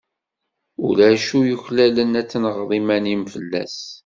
Ulac acu yuklalen ad tenɣeḍ iman-im fell-as.